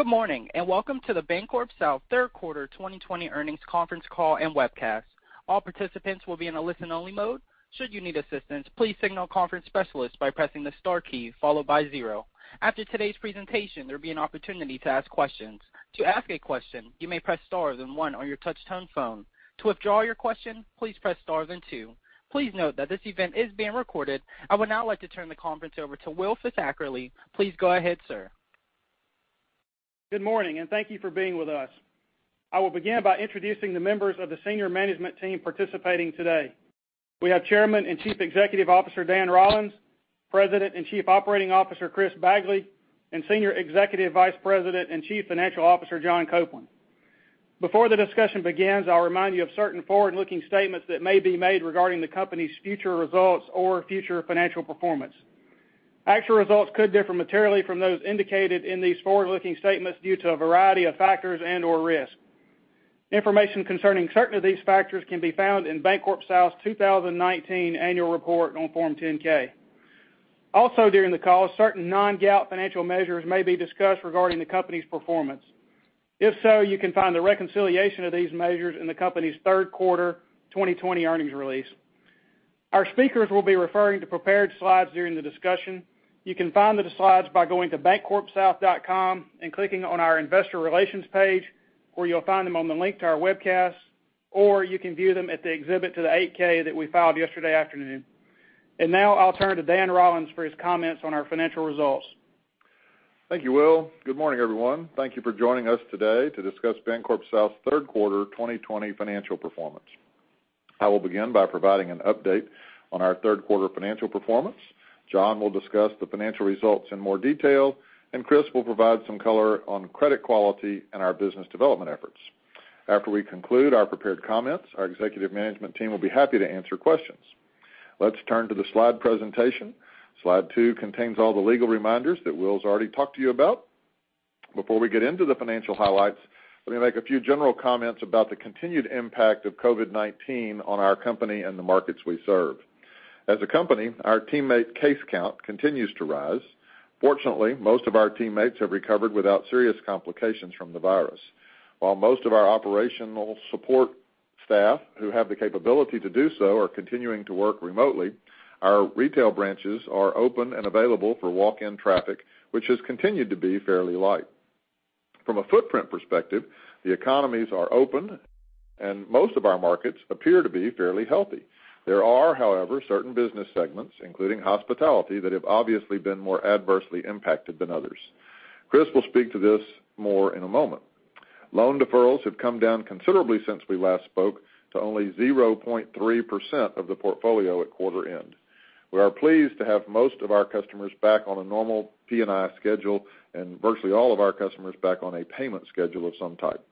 Good morning, welcome to the BancorpSouth third quarter 2020 earnings conference call and webcast. All participants will be in a listen only mode. Should you need assistance, please signal conference specialist by pressing the star key followed by zero. After today's presentation, there will be an opportunity to ask questions. To ask a question, you may press star then one on your touch-tone phone. To withdraw your question, please press star then two. Please note that this event is being recorded. I would now like to turn the conference over to Will Fisackerly. Please go ahead, sir. Good morning. Thank you for being with us. I will begin by introducing the members of the senior management team participating today. We have Chairman and Chief Executive Officer, Dan Rollins, President and Chief Operating Officer, Chris Bagley, and Senior Executive Vice President and Chief Financial Officer, John Copeland. Before the discussion begins, I'll remind you of certain forward-looking statements that may be made regarding the company's future results or future financial performance. Actual results could differ materially from those indicated in these forward-looking statements due to a variety of factors and/or risk. Information concerning certain of these factors can be found in BancorpSouth's 2019 annual report on Form 10-K. During the call, certain non-GAAP financial measures may be discussed regarding the company's performance. If so, you can find the reconciliation of these measures in the company's third quarter 2020 earnings release. Our speakers will be referring to prepared slides during the discussion. You can find the slides by going to bancorpsouth.com and clicking on our investor relations page, where you'll find them on the link to our webcast, or you can view them at the exhibit to the 8-K that we filed yesterday afternoon. Now I'll turn to Dan Rollins for his comments on our financial results. Thank you, Will. Good morning, everyone. Thank you for joining us today to discuss BancorpSouth's third quarter 2020 financial performance. I will begin by providing an update on our third quarter financial performance. John will discuss the financial results in more detail, and Chris will provide some color on credit quality and our business development efforts. After we conclude our prepared comments, our executive management team will be happy to answer questions. Let's turn to the slide presentation. Slide two contains all the legal reminders that Will's already talked to you about. Before we get into the financial highlights, let me make a few general comments about the continued impact of COVID-19 on our company and the markets we serve. As a company, our teammate case count continues to rise. Fortunately, most of our teammates have recovered without serious complications from the virus. While most of our operational support staff who have the capability to do so are continuing to work remotely, our retail branches are open and available for walk-in traffic, which has continued to be fairly light. From a footprint perspective, the economies are open and most of our markets appear to be fairly healthy. There are, however, certain business segments, including hospitality, that have obviously been more adversely impacted than others. Chris will speak to this more in a moment. Loan deferrals have come down considerably since we last spoke to only 0.3% of the portfolio at quarter end. We are pleased to have most of our customers back on a normal P&I schedule and virtually all of our customers back on a payment schedule of some type.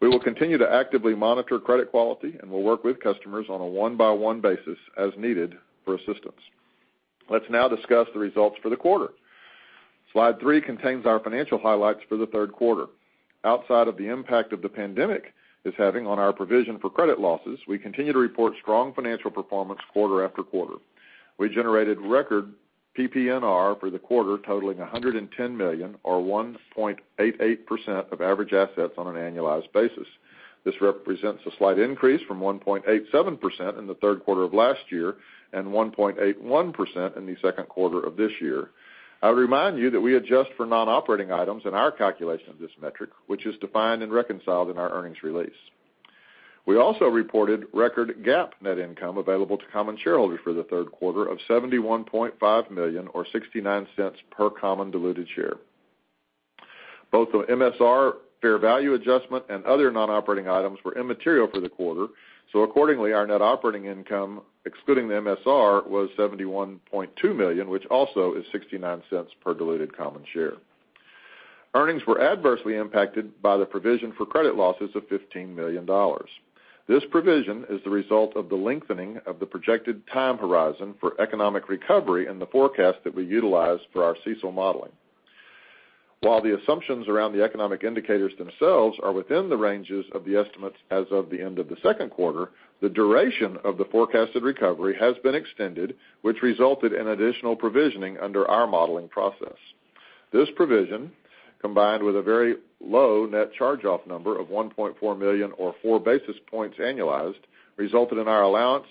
We will continue to actively monitor credit quality and will work with customers on a one-by-one basis as needed for assistance. Let's now discuss the results for the quarter. Slide three contains our financial highlights for the third quarter. Outside of the impact of the pandemic is having on our provision for credit losses, we continue to report strong financial performance quarter after quarter. We generated record PPNR for the quarter totaling $110 million or 1.88% of average assets on an annualized basis. This represents a slight increase from 1.87% in the third quarter of last year and 1.81% in the second quarter of this year. I would remind you that we adjust for non-operating items in our calculation of this metric, which is defined and reconciled in our earnings release. We also reported record GAAP net income available to common shareholders for the third quarter of $71.5 million or $0.69 per common diluted share. Both the MSR fair value adjustment and other non-operating items were immaterial for the quarter. Accordingly, our net operating income, excluding the MSR, was $71.2 million, which also is $0.69 per diluted common share. Earnings were adversely impacted by the provision for credit losses of $15 million. This provision is the result of the lengthening of the projected time horizon for economic recovery in the forecast that we utilize for our CECL modeling. While the assumptions around the economic indicators themselves are within the ranges of the estimates as of the end of the second quarter, the duration of the forecasted recovery has been extended, which resulted in additional provisioning under our modeling process. This provision, combined with a very low net charge-off number of $1.4 million or four basis points annualized, resulted in our allowance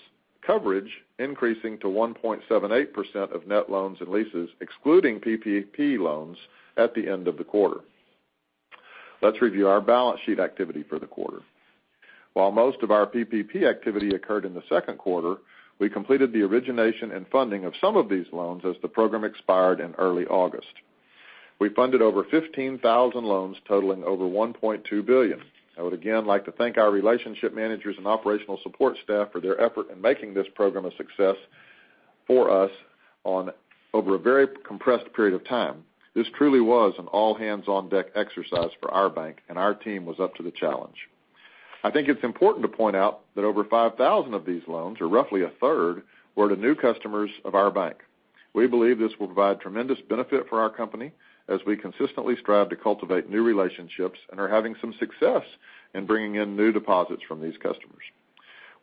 coverage increasing to 1.78% of net loans and leases, excluding PPP loans at the end of the quarter. Let's review our balance sheet activity for the quarter. While most of our PPP activity occurred in the second quarter, we completed the origination and funding of some of these loans as the program expired in early August. We funded over 15,000 loans totaling over $1.2 billion. I would again like to thank our relationship managers and operational support staff for their effort in making this program a success for us on over a very compressed period of time. This truly was an all-hands-on-deck exercise for our bank. Our team was up to the challenge. I think it's important to point out that over 5,000 of these loans, or roughly 1/3, were to new customers of our bank. We believe this will provide tremendous benefit for our company as we consistently strive to cultivate new relationships and are having some success in bringing in new deposits from these customers.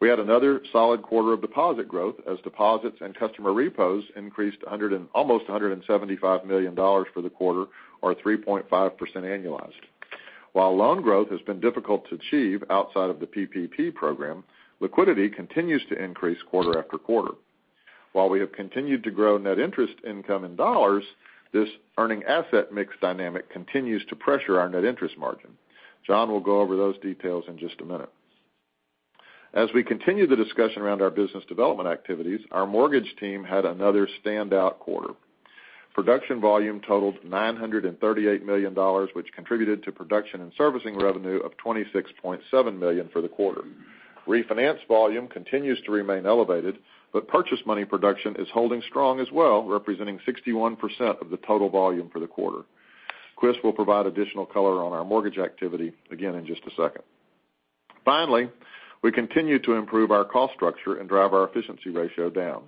We had another solid quarter of deposit growth as deposits and customer repos increased almost $175 million for the quarter, or 3.5% annualized. While loan growth has been difficult to achieve outside of the PPP program, liquidity continues to increase quarter after quarter. While we have continued to grow net interest income in dollars, this earning asset mix dynamic continues to pressure our net interest margin. John will go over those details in just a minute. We continue the discussion around our business development activities, our mortgage team had another standout quarter. Production volume totaled $938 million, which contributed to production and servicing revenue of $26.7 million for the quarter. Refinance volume continues to remain elevated, purchase money production is holding strong as well, representing 61% of the total volume for the quarter. Chris will provide additional color on our mortgage activity, again, in just a second. Finally, we continue to improve our cost structure and drive our efficiency ratio down.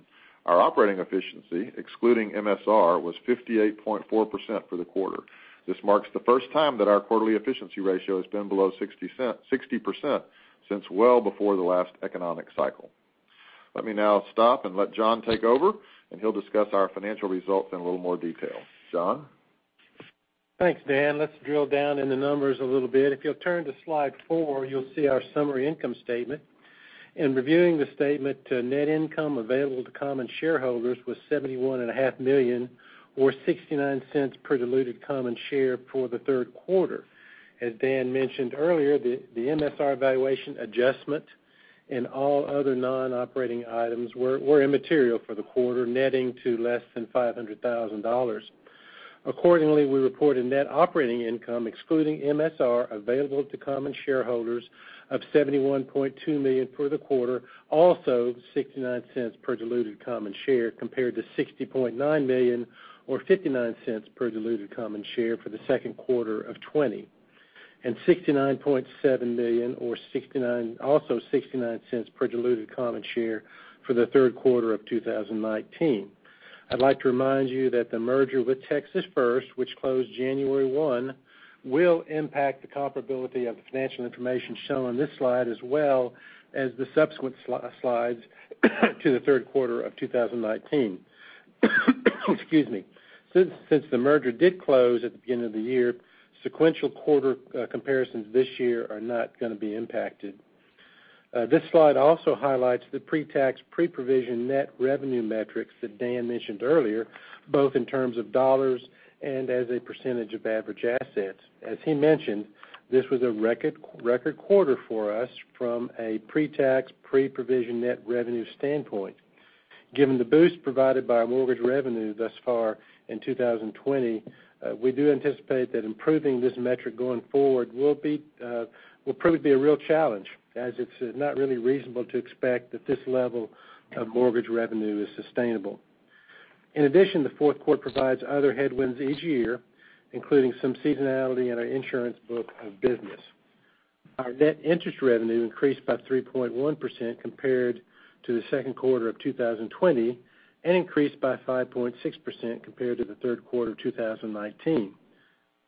Our operating efficiency, excluding MSR, was 58.4% for the quarter. This marks the first time that our quarterly efficiency ratio has been below 60% since well before the last economic cycle. Let me now stop and let John take over, he'll discuss our financial results in a little more detail. John? Thanks, Dan. Let's drill down in the numbers a little bit. If you'll turn to slide four, you'll see our summary income statement. In reviewing the statement, net income available to common shareholders was $71.5 million or $0.69 per diluted common share for the third quarter. As Dan mentioned earlier, the MSR valuation adjustment and all other non-operating items were immaterial for the quarter, netting to less than $500,000. We reported net operating income excluding MSR available to common shareholders of $71.2 million for the quarter, also $0.69 per diluted common share, compared to $60.9 million or $0.59 per diluted common share for the second quarter of 2020, and $69.7 million, also $0.69 per diluted common share, for the third quarter of 2019. I'd like to remind you that the merger with Texas First, which closed January 1, will impact the comparability of the financial information shown on this slide, as well as the subsequent slides to the third quarter of 2019. Excuse me. Since the merger did close at the beginning of the year, sequential quarter comparisons this year are not going to be impacted. This slide also highlights the pre-tax, pre-provision net revenue metrics that Dan mentioned earlier, both in terms of dollars and as a percentage of average assets. As he mentioned, this was a record quarter for us from a pre-tax, pre-provision net revenue standpoint. Given the boost provided by our mortgage revenue thus far in 2020, we do anticipate that improving this metric going forward will prove to be a real challenge, as it's not really reasonable to expect that this level of mortgage revenue is sustainable. In addition, the fourth quarter provides other headwinds each year, including some seasonality in our insurance book of business. Our net interest revenue increased by 3.1% compared to the second quarter of 2020 and increased by 5.6% compared to the third quarter of 2019.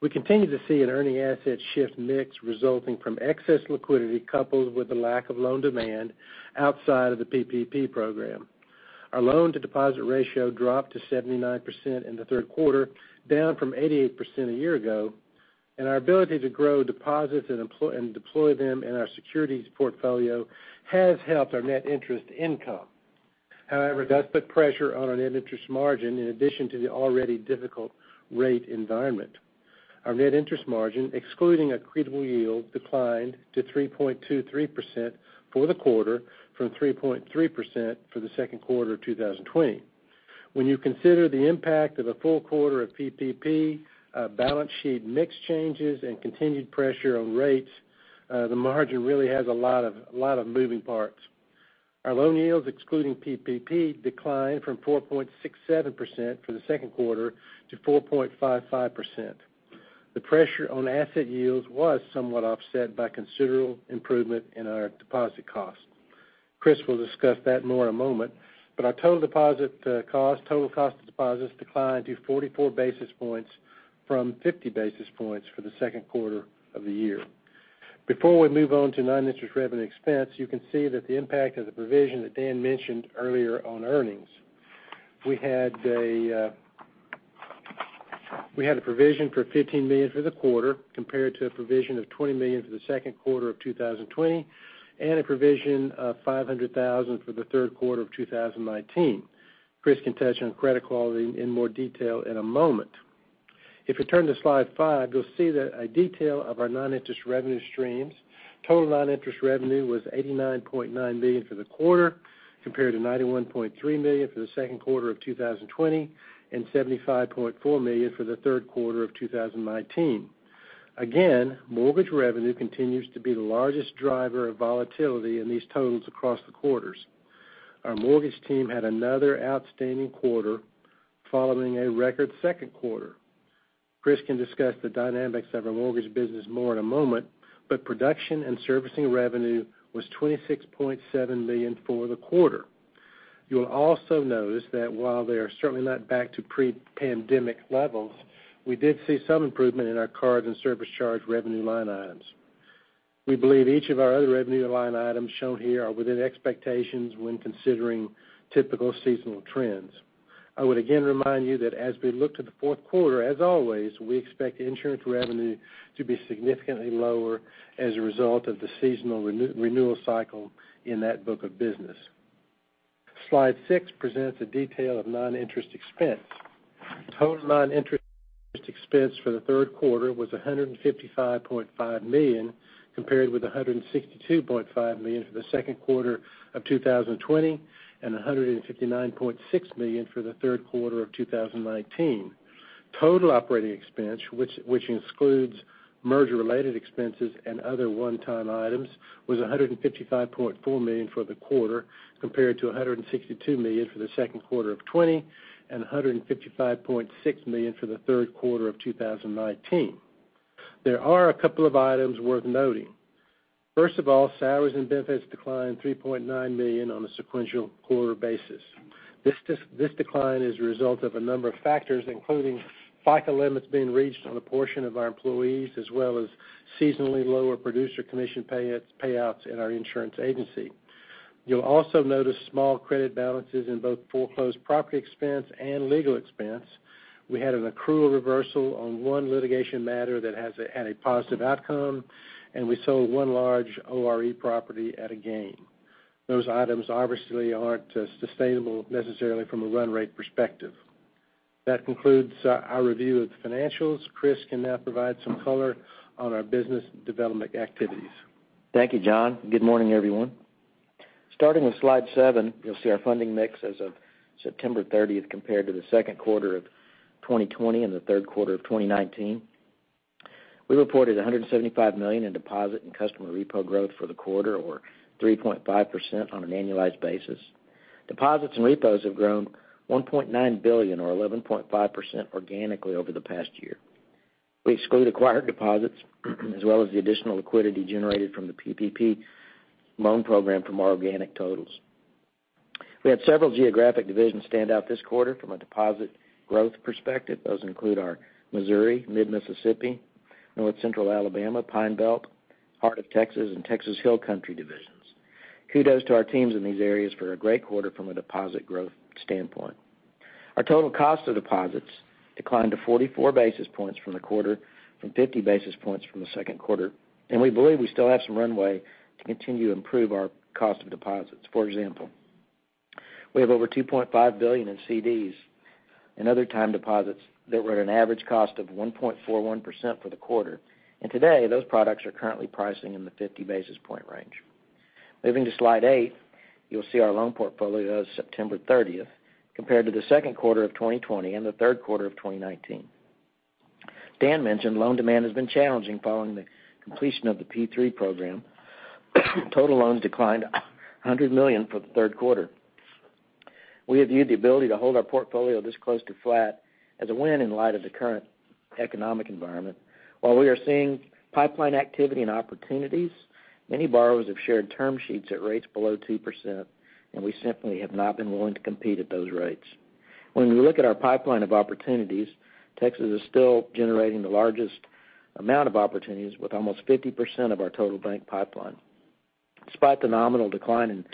We continue to see an earning asset shift mix resulting from excess liquidity coupled with the lack of loan demand outside of the PPP program. Our loan-to-deposit ratio dropped to 79% in the third quarter, down from 88% a year ago, and our ability to grow deposits and deploy them in our securities portfolio has helped our net interest income. However, that's put pressure on our net interest margin in addition to the already difficult rate environment. Our net interest margin, excluding accretable yield, declined to 3.23% for the quarter from 3.3% for the second quarter of 2020. When you consider the impact of a full quarter of PPP, balance sheet mix changes, and continued pressure on rates, the margin really has a lot of moving parts. Our loan yields, excluding PPP, declined from 4.67% for the second quarter to 4.55%. The pressure on asset yields was somewhat offset by considerable improvement in our deposit cost. Chris will discuss that more in a moment. Our total cost of deposits declined to 44 basis points from 50 basis points for the second quarter of the year. Before we move on to non-interest revenue expense, you can see that the impact of the provision that Dan mentioned earlier on earnings. We had a provision for $15 million for the quarter, compared to a provision of $20 million for the second quarter of 2020, and a provision of $500,000 for the third quarter of 2019. Chris can touch on credit quality in more detail in a moment. If you turn to slide five, you'll see a detail of our non-interest revenue streams. Total non-interest revenue was $89.9 million for the quarter, compared to $91.3 million for the second quarter of 2020 and $75.4 million for the third quarter of 2019. Again, mortgage revenue continues to be the largest driver of volatility in these totals across the quarters. Our mortgage team had another outstanding quarter following a record second quarter. Chris can discuss the dynamics of our mortgage business more in a moment, but production and servicing revenue was $26.7 million for the quarter. You'll also notice that while they are certainly not back to pre-pandemic levels, we did see some improvement in our cards and service charge revenue line items. We believe each of our other revenue line items shown here are within expectations when considering typical seasonal trends. I would again remind you that as we look to the fourth quarter, as always, we expect insurance revenue to be significantly lower as a result of the seasonal renewal cycle in that book of business. Slide six presents a detail of non-interest expense. Total non-interest expense for the third quarter was $155.5 million, compared with $162.5 million for the second quarter of 2020 and $159.6 million for the third quarter of 2019. Total operating expense, which excludes merger-related expenses and other one-time items, was $155.4 million for the quarter, compared to $162 million for the second quarter of 2020, and $155.6 million for the third quarter of 2019. There are a couple of items worth noting. First of all, salaries and benefits declined $3.9 million on a sequential quarter basis. This decline is a result of a number of factors, including FICA limits being reached on a portion of our employees, as well as seasonally lower producer commission payouts in our insurance agency. You'll also notice small credit balances in both foreclosed property expense and legal expense. We had an accrual reversal on one litigation matter that had a positive outcome, and we sold one large ORE property at a gain. Those items obviously aren't sustainable necessarily from a run rate perspective. That concludes our review of the financials. Chris can now provide some color on our business development activities. Thank you, John. Good morning, everyone. Starting with slide seven, you'll see our funding mix as of September 30th compared to the second quarter of 2020 and the third quarter of 2019. We reported $175 million in deposit and customer repo growth for the quarter, or 3.5% on an annualized basis. Deposits and repos have grown $1.9 billion or 11.5% organically over the past year. We exclude acquired deposits, as well as the additional liquidity generated from the PPP loan program from our organic totals. We had several geographic divisions stand out this quarter from a deposit growth perspective. Those include our Missouri, Mid-Mississippi, North Central Alabama, Pine Belt, Heart of Texas, and Texas Hill Country divisions. Kudos to our teams in these areas for a great quarter from a deposit growth standpoint. Our total cost of deposits declined to 44 basis points from the quarter, from 50 basis points from the second quarter. We believe we still have some runway to continue to improve our cost of deposits. For example, we have over $2.5 billion in CDs and other time deposits that were at an average cost of 1.41% for the quarter. Today, those products are currently pricing in the 50 basis point range. Moving to slide eight, you'll see our loan portfolio as of September 30th, compared to the second quarter of 2020 and the third quarter of 2019. Dan mentioned loan demand has been challenging following the completion of the PPP program. Total loans declined $100 million for the third quarter. We have viewed the ability to hold our portfolio this close to flat as a win in light of the current economic environment. While we are seeing pipeline activity and opportunities, many borrowers have shared term sheets at rates below 2%, and we simply have not been willing to compete at those rates. When we look at our pipeline of opportunities, Texas is still generating the largest amount of opportunities, with almost 50% of our total bank pipeline. Despite the nominal decline in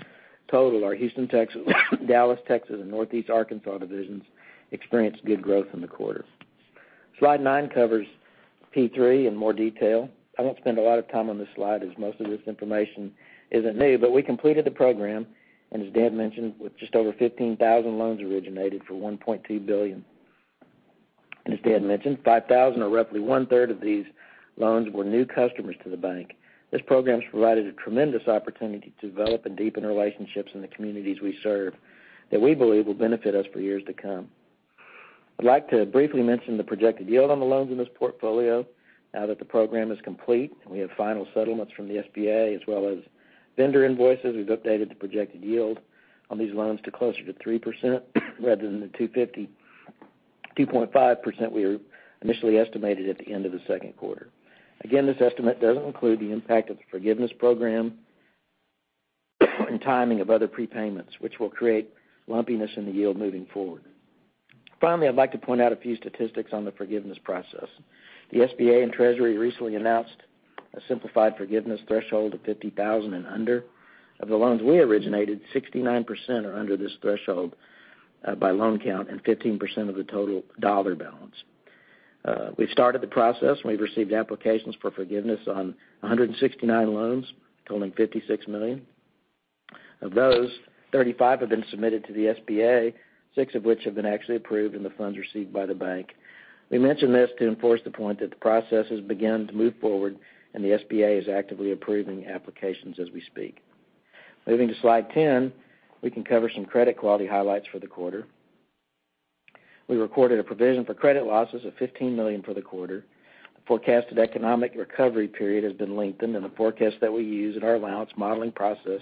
total, our Houston, Texas, Dallas, Texas, and Northeast Arkansas divisions experienced good growth in the quarter. Slide nine covers PPP in more detail. I won't spend a lot of time on this slide, as most of this information isn't new, but we completed the program, and as Dan mentioned, with just over 15,000 loans originated for $1.2 billion. As Dan mentioned, 5,000 or roughly 1/3 of these loans were new customers to the bank. This program's provided a tremendous opportunity to develop and deepen relationships in the communities we serve that we believe will benefit us for years to come. I'd like to briefly mention the projected yield on the loans in this portfolio now that the program is complete and we have final settlements from the SBA, as well as vendor invoices. We've updated the projected yield on these loans to closer to 3% rather than the 2.5% we initially estimated at the end of the second quarter. Again, this estimate doesn't include the impact of the Forgiveness Program and timing of other prepayments, which will create lumpiness in the yield moving forward. Finally, I'd like to point out a few statistics on the forgiveness process. The SBA and Treasury recently announced a simplified forgiveness threshold of $50,000 and under. Of the loans we originated, 69% are under this threshold by loan count and 15% of the total dollar balance. We've started the process, and we've received applications for forgiveness on 169 loans totaling $56 million. Of those, 35 have been submitted to the SBA, six of which have been actually approved and the funds received by the bank. We mention this to enforce the point that the process has begun to move forward, and the SBA is actively approving applications as we speak. Moving to slide 10, we can cover some credit quality highlights for the quarter. We recorded a provision for credit losses of $15 million for the quarter. The forecasted economic recovery period has been lengthened, and the forecast that we use in our allowance modeling process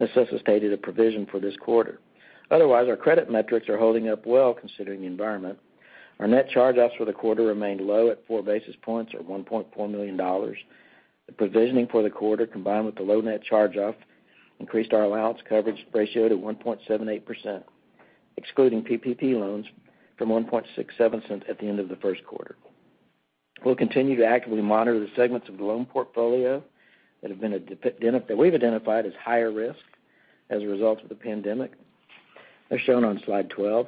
necessitates a provision for this quarter. Otherwise, our credit metrics are holding up well considering the environment. Our net charge-offs for the quarter remained low at four basis points or $1.4 million. The provisioning for the quarter, combined with the low net charge-off, increased our allowance coverage ratio to 1.78%, excluding PPP loans, from 1.67% at the end of the first quarter. We'll continue to actively monitor the segments of the loan portfolio that we've identified as higher risk as a result of the pandemic, as shown on slide 12.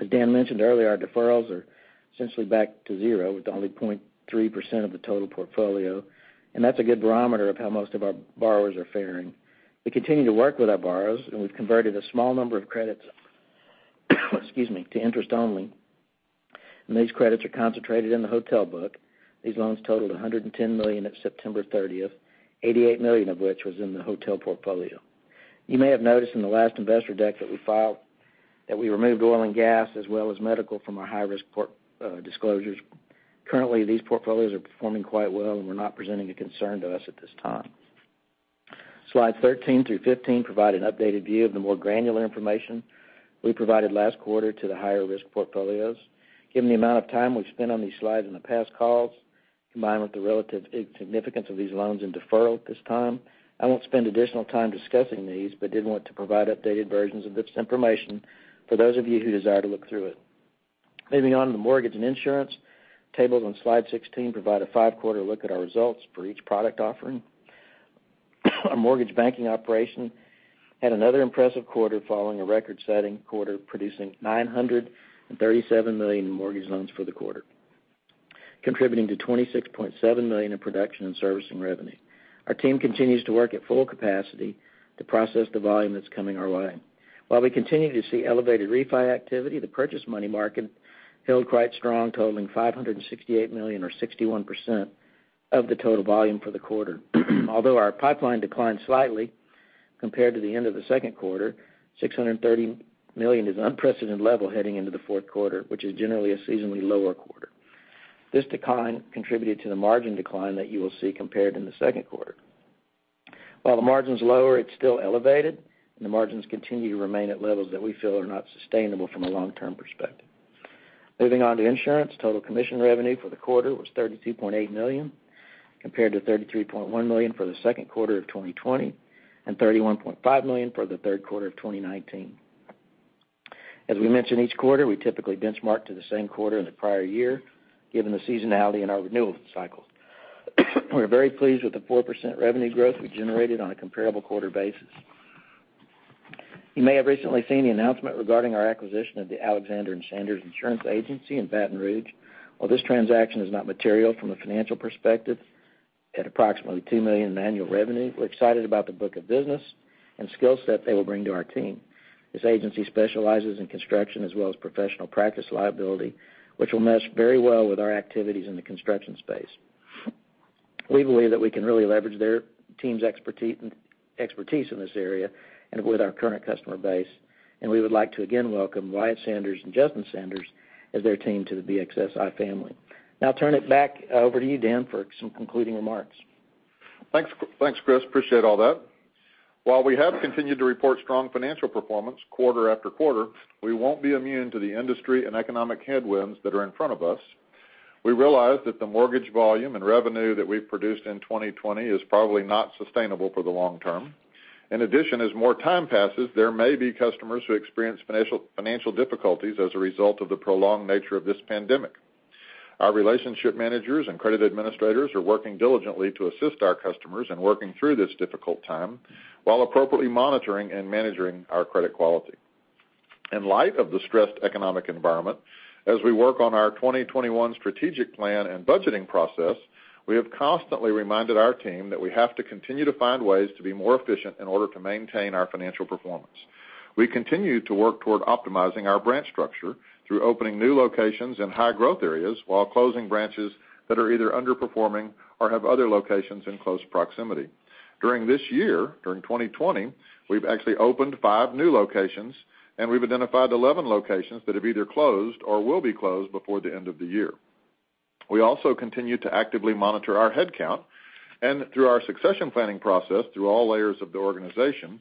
As Dan mentioned earlier, our deferrals are essentially back to zero with only 0.3% of the total portfolio, and that's a good barometer of how most of our borrowers are faring. We continue to work with our borrowers, and we've converted a small number of credits to interest only, and these credits are concentrated in the hotel book. These loans totaled $110 million at September 30th, $88 million of which was in the hotel portfolio. You may have noticed in the last investor deck that we filed, that we removed oil and gas as well as medical from our high-risk disclosures. Currently, these portfolios are performing quite well and were not presenting a concern to us at this time. Slides 13 through 15 provide an updated view of the more granular information we provided last quarter to the higher risk portfolios. Given the amount of time we've spent on these slides in the past calls, combined with the relative significance of these loans and deferral at this time, I won't spend additional time discussing these, but did want to provide updated versions of this information for those of you who desire to look through it. Moving on to mortgage and insurance. Tables on slide 16 provide a five-quarter look at our results for each product offering. Our mortgage banking operation had another impressive quarter following a record-setting quarter, producing $937 million in mortgage loans for the quarter, contributing to $26.7 million in production and servicing revenue. Our team continues to work at full capacity to process the volume that's coming our way. While we continue to see elevated refi activity, the purchase money market held quite strong, totaling $568 million or 61% of the total volume for the quarter. Although our pipeline declined slightly compared to the end of the second quarter, $630 million is an unprecedented level heading into the fourth quarter, which is generally a seasonally lower quarter. This decline contributed to the margin decline that you will see compared in the second quarter. While the margin's lower, it's still elevated, and the margins continue to remain at levels that we feel are not sustainable from a long-term perspective. Moving on to insurance. Total commission revenue for the quarter was $32.8 million, compared to $33.1 million for the second quarter of 2020 and $31.5 million for the third quarter of 2019. As we mention each quarter, we typically benchmark to the same quarter in the prior year, given the seasonality in our renewal cycles. We're very pleased with the 4% revenue growth we generated on a comparable quarter basis. You may have recently seen the announcement regarding our acquisition of the Alexander & Sanders Insurance agency in Baton Rouge. While this transaction is not material from a financial perspective, at approximately $2 million in annual revenue, we're excited about the book of business and skill set they will bring to our team. This agency specializes in construction as well as professional practice liability, which will mesh very well with our activities in the construction space. We believe that we can really leverage their team's expertise in this area and with our current customer base, and we would like to again welcome Wyatt Sanders and Justin Sanders as their team to the BXSI family. Now I'll turn it back over to you, Dan, for some concluding remarks. Thanks, Chris. Appreciate all that. While we have continued to report strong financial performance quarter after quarter, we won't be immune to the industry and economic headwinds that are in front of us. We realize that the mortgage volume and revenue that we've produced in 2020 is probably not sustainable for the long term. As more time passes, there may be customers who experience financial difficulties as a result of the prolonged nature of this pandemic. Our relationship managers and credit administrators are working diligently to assist our customers in working through this difficult time while appropriately monitoring and managing our credit quality. In light of the stressed economic environment, as we work on our 2021 strategic plan and budgeting process, we have constantly reminded our team that we have to continue to find ways to be more efficient in order to maintain our financial performance. We continue to work toward optimizing our branch structure through opening new locations in high-growth areas while closing branches that are either underperforming or have other locations in close proximity. During this year, during 2020, we've actually opened five new locations, and we've identified 11 locations that have either closed or will be closed before the end of the year. We also continue to actively monitor our headcount, and through our succession planning process through all layers of the organization,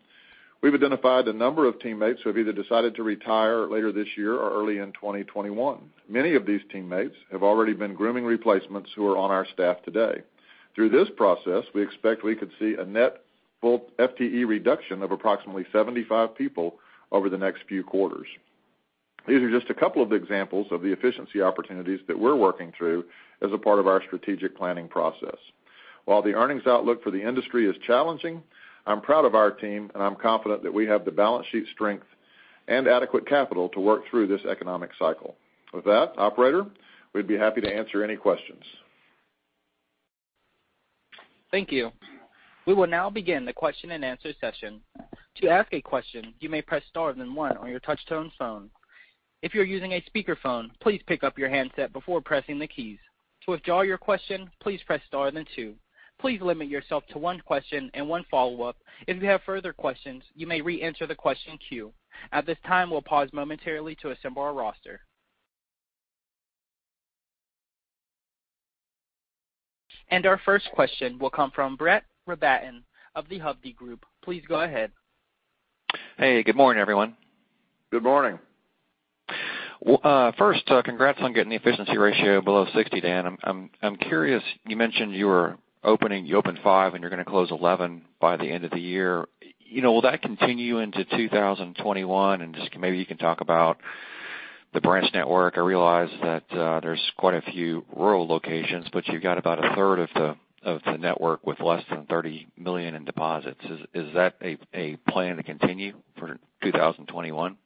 we've identified a number of teammates who have either decided to retire later this year or early in 2021. Many of these teammates have already been grooming replacements who are on our staff today. Through this process, we expect we could see a net full FTE reduction of approximately 75 people over the next few quarters. These are just a couple of examples of the efficiency opportunities that we're working through as a part of our strategic planning process. While the earnings outlook for the industry is challenging, I'm proud of our team, and I'm confident that we have the balance sheet strength and adequate capital to work through this economic cycle. With that, operator, we'd be happy to answer any questions. Thank you. We will now begin the question and answer session. To ask a question, you may press star then one on your touch-tone phone. If you're using a speakerphone, please pick up your handset before pressing the keys. To withdraw your question, please press star then two. Please limit yourself to one question and one follow-up. If you have further questions, you may reenter the question queue. At this time, we'll pause momentarily to assemble our roster. Our first question will come from Brett Rabatin of the Hovde Group. Please go ahead. Hey, good morning, everyone. Good morning. First, congrats on getting the efficiency ratio below 60, Dan. I'm curious, you mentioned you opened five and you're going to close 11 by the end of the year. Will that continue into 2021? Just maybe you can talk about the branch network. I realize that there's quite a few rural locations, but you've got about 1/3 of the network with less than $30 million in deposits. Is that a plan to continue for 2021?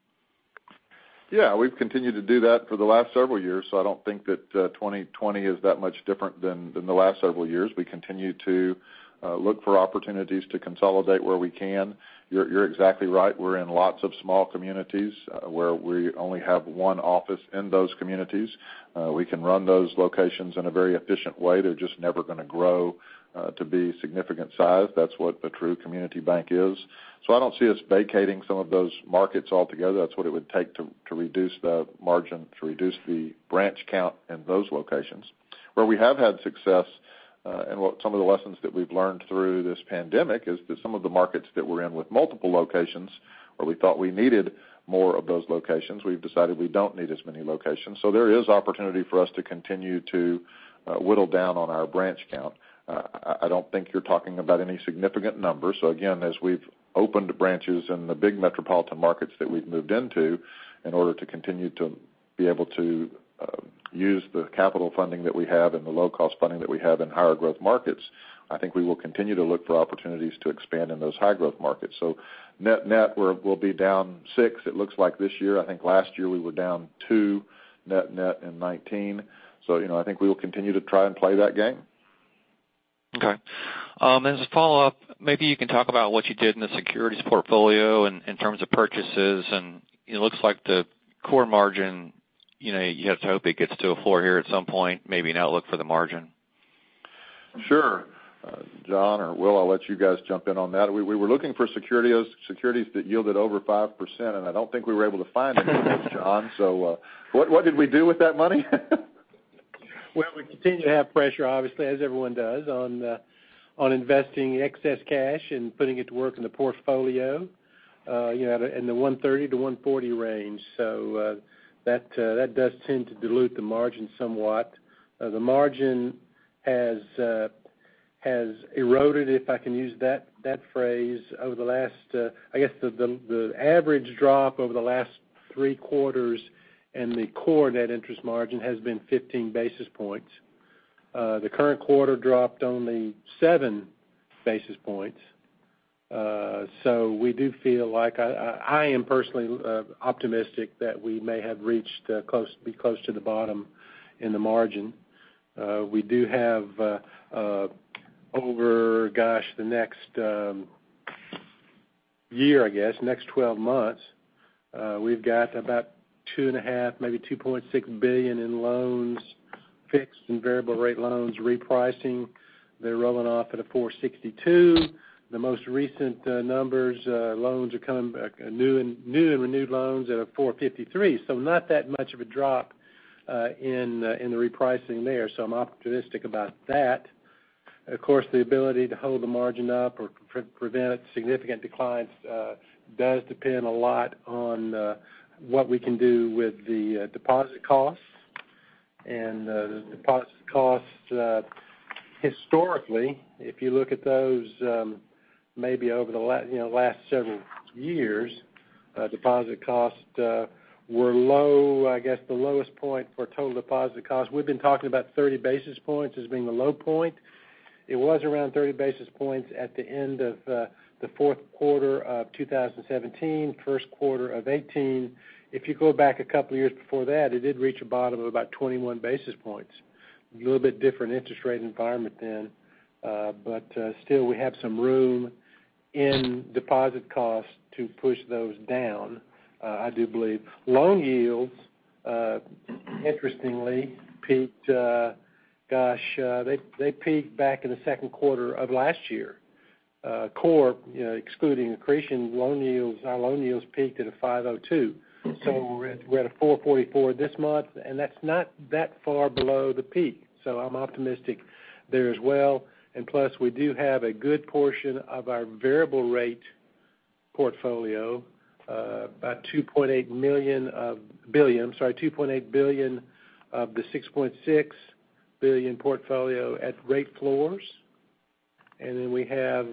Yeah, we've continued to do that for the last several years, so I don't think that 2020 is that much different than the last several years. We continue to look for opportunities to consolidate where we can. You're exactly right. We're in lots of small communities where we only have one office in those communities. We can run those locations in a very efficient way. They're just never going to grow to be significant size. That's what a true community bank is. I don't see us vacating some of those markets altogether. That's what it would take to reduce the margin, to reduce the branch count in those locations. Where we have had success, and what some of the lessons that we've learned through this pandemic, is that some of the markets that we're in with multiple locations where we thought we needed more of those locations, we've decided we don't need as many locations. There is opportunity for us to continue to whittle down on our branch count. I don't think you're talking about any significant numbers. Again, as we've opened branches in the big metropolitan markets that we've moved into in order to continue to be able to use the capital funding that we have and the low-cost funding that we have in higher growth markets, I think we will continue to look for opportunities to expand in those high-growth markets. Net-net, we'll be down six it looks like this year. I think last year we were down two net-net in 2019. I think we will continue to try and play that game. Okay. As a follow-up, maybe you can talk about what you did in the securities portfolio in terms of purchases, and it looks like the core margin, you have to hope it gets to a floor here at some point, maybe an outlook for the margin. Sure. John or Will, I'll let you guys jump in on that. We were looking for securities that yielded over 5%. I don't think we were able to find any of those, John. What did we do with that money? We continue to have pressure, obviously, as everyone does, on investing excess cash and putting it to work in the portfolio in the 130-140 range. That does tend to dilute the margin somewhat. The margin has eroded, if I can use that phrase, over the last I guess, the average drop over the last three quarters in the core net interest margin has been 15 basis points. The current quarter dropped only seven basis points. We do feel like, I am personally optimistic that we may have reached close to the bottom in the margin. We do have over, gosh, the next year, I guess, next 12 months, we've got about $2.5 billion, maybe $2.6 billion in loans, fixed and variable rate loans repricing. They're rolling off at a 4.62%. The most recent numbers, new and renewed loans at a 4.53%. Not that much of a drop in the repricing there. I'm optimistic about that. Of course, the ability to hold the margin up or prevent significant declines does depend a lot on what we can do with the deposit costs. The deposit costs historically, if you look at those, maybe over the last several years, deposit costs were low, I guess, the lowest point for total deposit cost. We've been talking about 30 basis points as being the low point. It was around 30 basis points at the end of the fourth quarter of 2017, first quarter of 2018. If you go back a couple of years before that, it did reach a bottom of about 21 basis points. A little bit different interest rate environment then. Still, we have some room in deposit costs to push those down, I do believe. Loan yields, interestingly, peaked, gosh, they peaked back in the second quarter of last year. Core, excluding accretion loan yields, our loan yields peaked at a 5.02%. We're at a 4.4% this month, and that's not that far below the peak. I'm optimistic there as well. Plus, we do have a good portion of our variable rate portfolio, about $2.8 billion of the $6.6 billion portfolio at rate floors. Then we have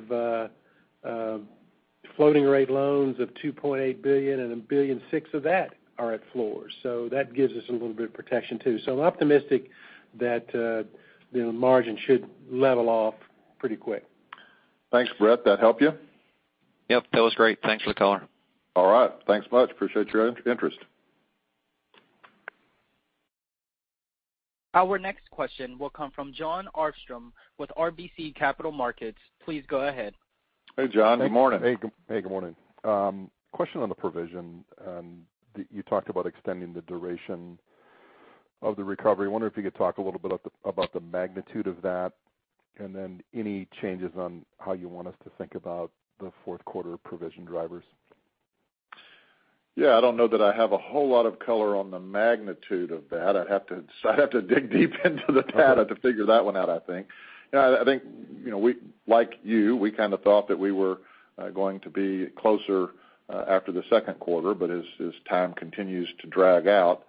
floating rate loans of $2.8 billion, and $1.6 billion of that are at floors. That gives us a little bit of protection, too. I'm optimistic that the margin should level off pretty quick. Thanks, Brett. That help you? Yep, that was great. Thanks for the color. All right. Thanks much. Appreciate your interest. Our next question will come from Jon Arfstrom with RBC Capital Markets. Please go ahead. Hey, Jon. Good morning. Hey. Good morning. Question on the provision. You talked about extending the duration of the recovery. I wonder if you could talk a little bit about the magnitude of that, and then any changes on how you want us to think about the fourth quarter provision drivers? Yeah, I don't know that I have a whole lot of color on the magnitude of that. I'd have to dig deep into the data to figure that one out, I think. I think, like you, we kind of thought that we were going to be closer after the second quarter. As time continues to drag out,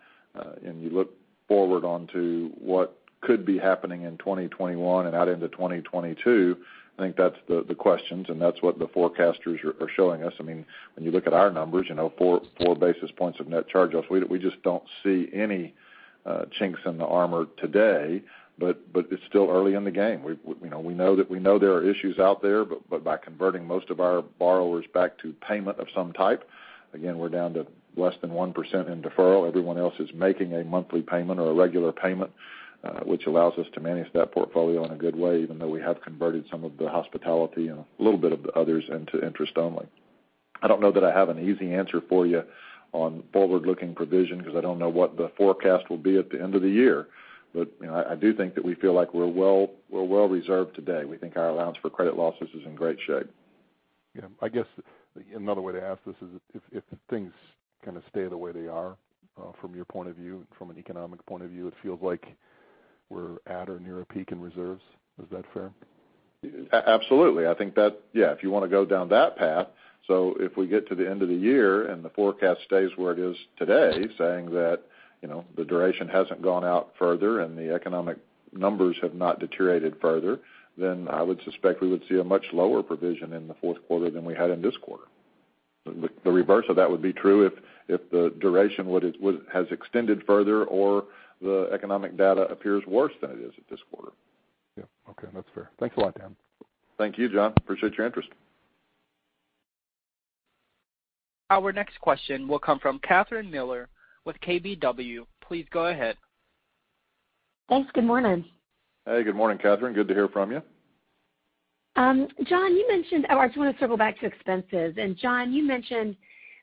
and you look forward onto what could be happening in 2021 and out into 2022, I think that's the questions, and that's what the forecasters are showing us. When you look at our numbers, four basis points of net charge-offs, we just don't see any chinks in the armor today, but it's still early in the game. We know there are issues out there, but by converting most of our borrowers back to payment of some type, again, we're down to less than 1% in deferral. Everyone else is making a monthly payment or a regular payment, which allows us to manage that portfolio in a good way, even though we have converted some of the hospitality and a little bit of others into interest only. I don't know that I have an easy answer for you on forward-looking provision, because I don't know what the forecast will be at the end of the year. I do think that we feel like we're well reserved today. We think our allowance for credit losses is in great shape. Yeah. I guess another way to ask this is if things stay the way they are from your point of view, from an economic point of view, it feels like we're at or near a peak in reserves. Is that fair? Absolutely. I think that, yeah, if you want to go down that path. If we get to the end of the year and the forecast stays where it is today, saying that the duration hasn't gone out further and the economic numbers have not deteriorated further, then I would suspect we would see a much lower provision in the fourth quarter than we had in this quarter. The reverse of that would be true if the duration has extended further or the economic data appears worse than it is at this quarter. Yeah. Okay. That's fair. Thanks a lot, Dan. Thank you, Jon. Appreciate your interest. Our next question will come from Catherine Mealor with KBW. Please go ahead. Thanks. Good morning. Hey, good morning, Catherine. Good to hear from you. John, I just want to circle back to expenses. John, you mentioned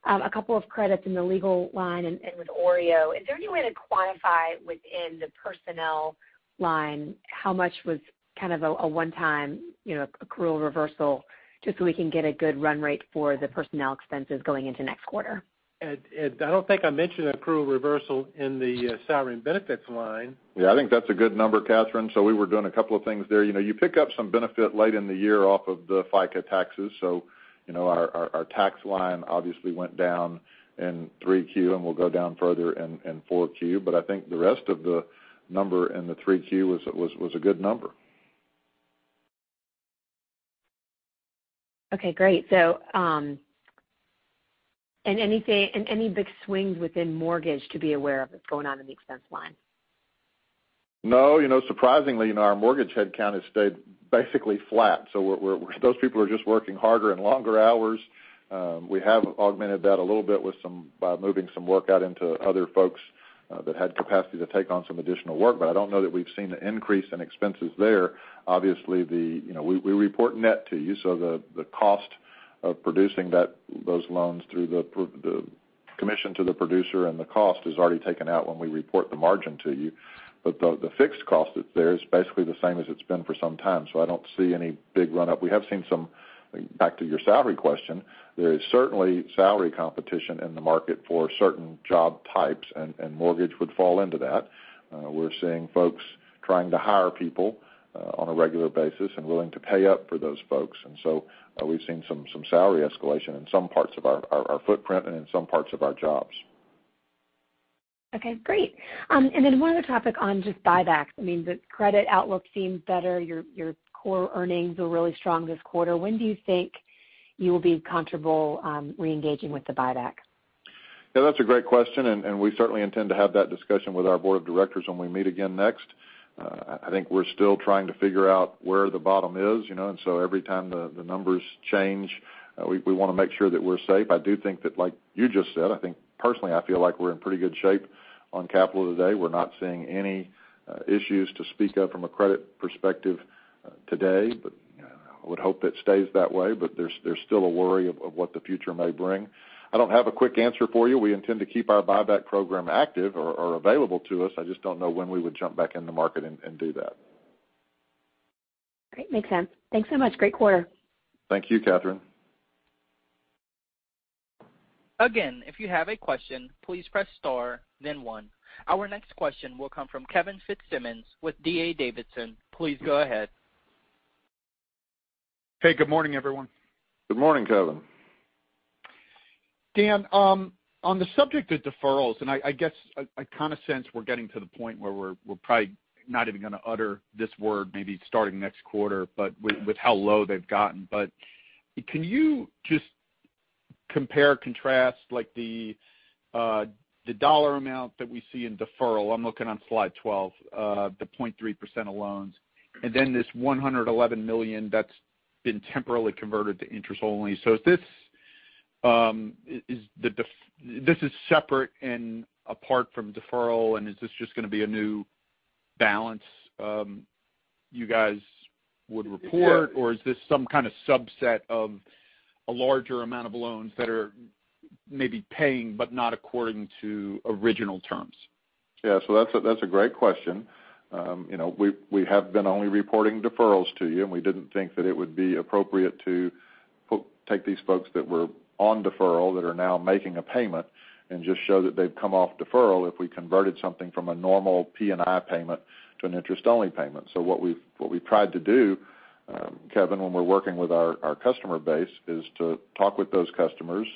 a couple of credits in the legal line and with OREO. Is there any way to quantify within the personnel line how much was kind of a one-time accrual reversal, just so we can get a good run rate for the personnel expenses going into next quarter? I don't think I mentioned accrual reversal in the salary and benefits line. Yeah, I think that's a good number, Catherine. We were doing a couple of things there. You pick up some benefit late in the year off of the FICA taxes, so our tax line obviously went down in 3Q, and will go down further in 4Q. I think the rest of the number in the 3Q was a good number. Okay, great. Any big swings within mortgage to be aware of that's going on in the expense line? No, surprisingly, our mortgage headcount has stayed basically flat. Those people are just working harder and longer hours. We have augmented that a little bit by moving some work out into other folks that had capacity to take on some additional work. I don't know that we've seen an increase in expenses there. Obviously, we report net to you, so the cost of producing those loans through the commission to the producer and the cost is already taken out when we report the margin to you. The fixed cost that's there is basically the same as it's been for some time. I don't see any big run-up. We have seen some, back to your salary question, there is certainly salary competition in the market for certain job types, and mortgage would fall into that. We're seeing folks trying to hire people on a regular basis and willing to pay up for those folks. We've seen some salary escalation in some parts of our footprint and in some parts of our jobs. Okay, great. One other topic on just buybacks. The credit outlook seems better. Your core earnings were really strong this quarter. When do you think you will be comfortable reengaging with the buyback? Yeah, that's a great question, and we certainly intend to have that discussion with our board of directors when we meet again next. I think we're still trying to figure out where the bottom is. Every time the numbers change, we want to make sure that we're safe. I do think that, like you just said, I think personally, I feel like we're in pretty good shape on capital today. We're not seeing any issues to speak of from a credit perspective today, but I would hope it stays that way, but there's still a worry of what the future may bring. I don't have a quick answer for you. We intend to keep our buyback program active or available to us. I just don't know when we would jump back in the market and do that. Great. Makes sense. Thanks so much. Great quarter. Thank you, Catherine. If you have a question, please press star then one. Our next question will come from Kevin Fitzsimmons with D.A. Davidson. Please go ahead. Hey, good morning, everyone. Good morning, Kevin. Dan, I guess I kind of sense we're getting to the point where we're probably not even going to utter this word maybe starting next quarter, but with how low they've gotten. Can you just compare or contrast the dollar amount that we see in deferral? I'm looking on slide 12, the 0.3% of loans. This $111 million that's been temporarily converted to interest only. This is separate and apart from deferral, and is this just going to be a new balance you guys would report? Is this some kind of subset of a larger amount of loans that are maybe paying, but not according to original terms? That's a great question. We have been only reporting deferrals to you, and we didn't think that it would be appropriate to take these folks that were on deferral that are now making a payment and just show that they've come off deferral if we converted something from a normal P&I payment to an interest-only payment. What we've tried to do, Kevin, when we're working with our customer base, is to talk with those customers,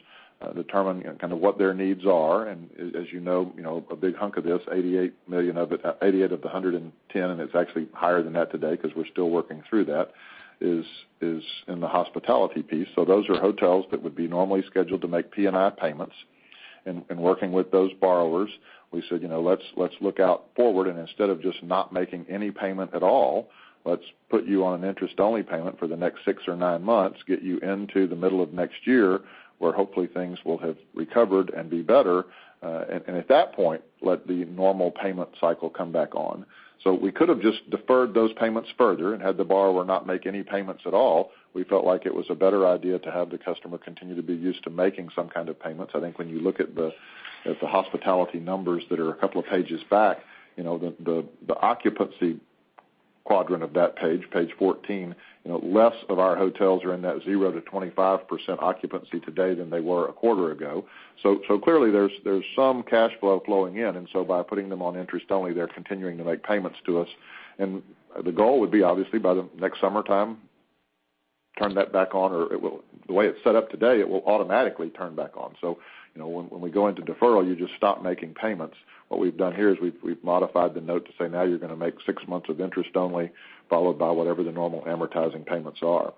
determine kind of what their needs are. As you know, a big hunk of this, $88 million of the $110 million, and it's actually higher than that today because we're still working through that, is in the hospitality piece. Those are hotels that would be normally scheduled to make P&I payments. In working with those borrowers, we said, "Let's look out forward, instead of just not making any payment at all, let's put you on an interest-only payment for the next six or nine months, get you into the middle of next year, where hopefully things will have recovered and be better. At that point, let the normal payment cycle come back on." We could have just deferred those payments further and had the borrower not make any payments at all. We felt like it was a better idea to have the customer continue to be used to making some kind of payments. I think when you look at the hospitality numbers that are a couple of pages back, the occupancy quadrant of that page 14, less of our hotels are in that 0%-25% occupancy today than they were a quarter ago. Clearly, there's some cash flow flowing in. By putting them on interest-only, they're continuing to make payments to us. The goal would be, obviously, by the next summertime, turn that back on, or the way it's set up today, it will automatically turn back on. When we go into deferral, you just stop making payments. What we've done here is we've modified the note to say, "Now you're going to make six months of interest-only, followed by whatever the normal amortizing payments are."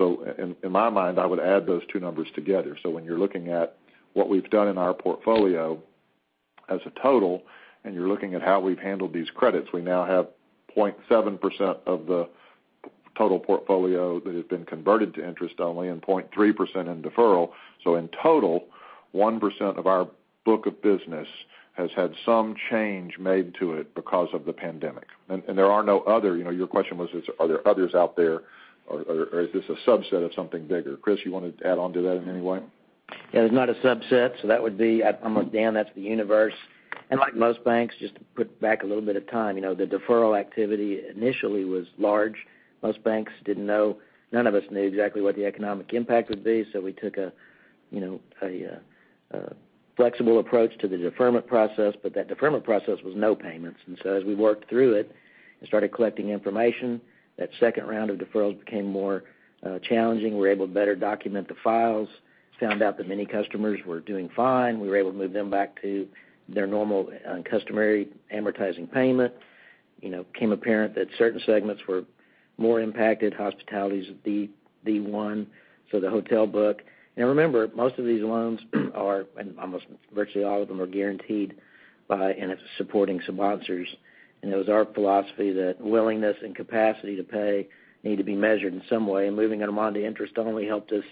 In my mind, I would add those two numbers together. When you're looking at what we've done in our portfolio as a total, and you're looking at how we've handled these credits, we now have 0.7% of the total portfolio that has been converted to interest-only and 0.3% in deferral. In total, 1% of our book of business has had some change made to it because of the pandemic. Your question was, are there others out there, or is this a subset of something bigger? Chris, you want to add on to that in any way? Yeah, there's not a subset. That would be, Dan, that's the universe. Like most banks, just to put back a little bit of time, the deferral activity initially was large. Most banks didn't know. None of us knew exactly what the economic impact would be. We took a flexible approach to the deferment process, but that deferment process was no payments. As we worked through it and started collecting information, that second round of deferrals became more challenging. We were able to better document the files, found out that many customers were doing fine. We were able to move them back to their normal customary amortizing payment. It became apparent that certain segments were more impacted. Hospitality is the one, the hotel book. Remember, most of these loans are, and almost virtually all of them are guaranteed by and it's supporting some sponsors. It was our philosophy that willingness and capacity to pay need to be measured in some way, and moving them onto interest-only helped us,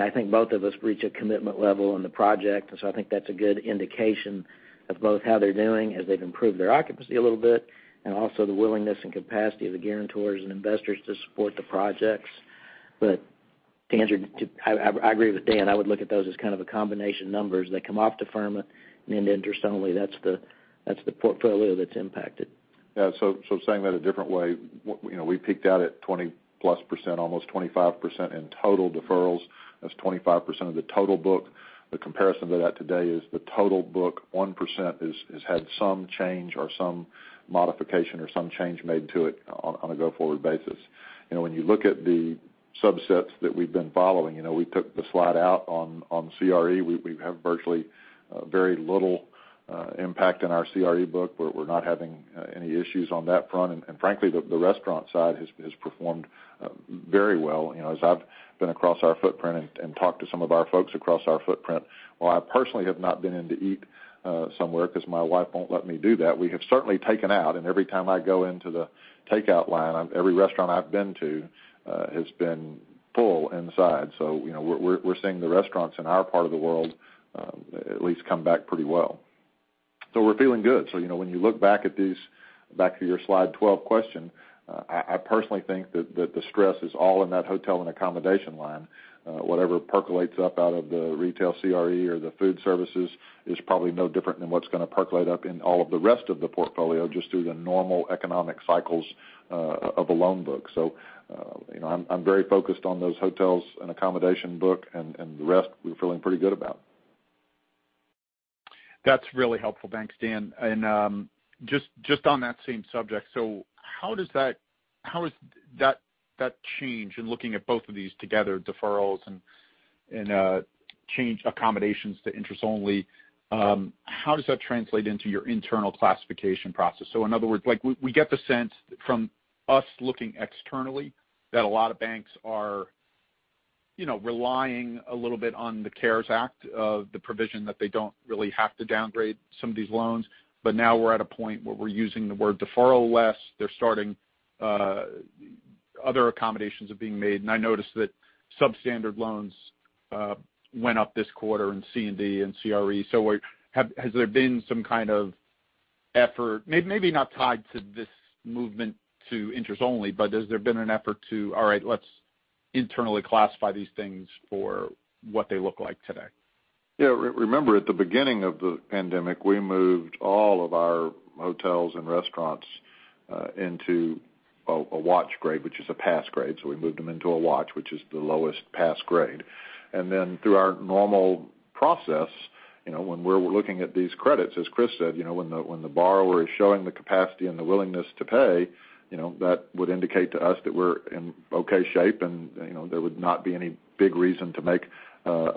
I think both of us reach a commitment level on the project. I think that's a good indication of both how they're doing as they've improved their occupancy a little bit, and also the willingness and capacity of the guarantors and investors to support the projects. To answer, I agree with Dan. I would look at those as kind of a combination numbers. They come off deferment and end interest-only. That's the portfolio that's impacted. Yeah. Saying that a different way, we peaked out at 20%+, almost 25% in total deferrals. That's 25% of the total book. The comparison to that today is the total book, 1% has had some change or some modification or some change made to it on a go-forward basis. You look at the subsets that we've been following, we took the slide out on CRE. We have virtually very little impact on our CRE book. We're not having any issues on that front. Frankly, the restaurant side has performed very well. As I've been across our footprint and talked to some of our folks across our footprint, while I personally have not been in to eat somewhere because my wife won't let me do that, we have certainly taken out, and every time I go into the takeout line, every restaurant I've been to has been full inside. We're seeing the restaurants in our part of the world at least come back pretty well. We're feeling good. When you look back at your slide 12 question, I personally think that the stress is all in that hotel and accommodation line. Whatever percolates up out of the retail CRE or the food services is probably no different than what's going to percolate up in all of the rest of the portfolio, just through the normal economic cycles of a loan book. I'm very focused on those hotels and accommodation book, and the rest we're feeling pretty good about. That's really helpful. Thanks, Dan. Just on that same subject, how does that change in looking at both of these together, deferrals and change accommodations to interest only, how does that translate into your internal classification process? In other words, we get the sense from us looking externally that a lot of banks are relying a little bit on the CARES Act, the provision that they don't really have to downgrade some of these loans. Now we're at a point where we're using the word deferral less. Other accommodations are being made. I noticed that substandard loans went up this quarter in C&D and CRE. Has there been some kind of effort, maybe not tied to this movement to interest-only, but has there been an effort to, all right, let's internally classify these things for what they look like today? Yeah. Remember, at the beginning of the pandemic, we moved all of our hotels and restaurants into a watch grade, which is a pass grade. We moved them into a watch, which is the lowest pass grade. Then through our normal process, when we're looking at these credits, as Chris said, when the borrower is showing the capacity and the willingness to pay, that would indicate to us that we're in okay shape and there would not be any big reason to make